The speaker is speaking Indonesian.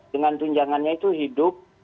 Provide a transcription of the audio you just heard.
dengan tunjangannya itu hidup